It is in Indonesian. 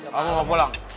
kamu mau pulang